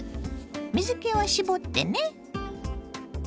水けは絞ってね。